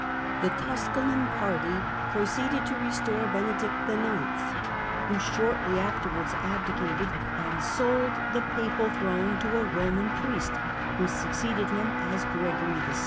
The Tusculan party proceeded to restore Benedict IX., who shortly afterwards abdicated, and sold the papal throne to a Roman priest, who succeeded him as Gregory VI.